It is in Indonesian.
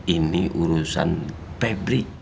ini urusan febri